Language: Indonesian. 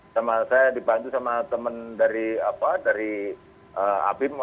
saya dibantu sama teman dari abim